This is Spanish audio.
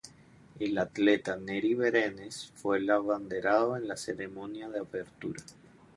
El atleta Nery Brenes fue el abanderado en la ceremonia de apertura.